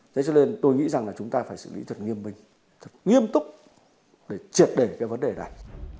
thế cho nên tôi nghĩ rằng là chúng ta phải xử lý thật nghiêm minh thật nghiêm túc để triệt để cái vấn đề này